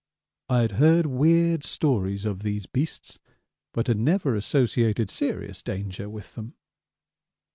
I had heard weird stories of these beasts, but had never associated serious danger with them.